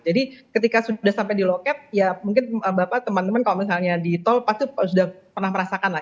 jadi ketika sudah sampai di loket ya mungkin bapak teman teman kalau misalnya di tol pasti sudah pernah merasakan lah